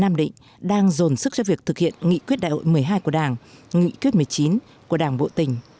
nam định đang dồn sức cho việc thực hiện nghị quyết đại hội một mươi hai của đảng nghị quyết một mươi chín của đảng bộ tỉnh